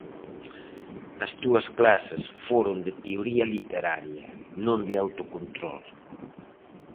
As túas clases foron de teoría literaria, non de autocontrol.